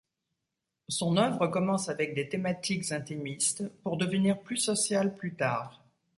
Son œuvre commence avec des thématiques intimistes, pour devenir plus sociale plus tard.